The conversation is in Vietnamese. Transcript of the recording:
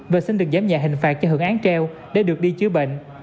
và xin được giám nhạc hình phạt cho hưởng án treo để được đi chứa bệnh